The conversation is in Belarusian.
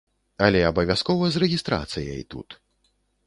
Але абавязкова з рэгістрацыяй тут.